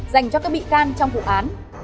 dành cho các bị can trong vụ án